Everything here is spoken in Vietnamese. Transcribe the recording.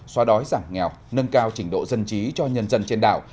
xóa đói giảm nghèo nâng cao trình độ dân trí cho nhân dân trên đảo